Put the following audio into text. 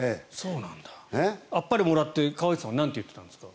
あっぱれもらって川内さんはなんて言ってたんですか？